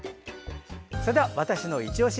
それでは「＃わたしのいちオシ」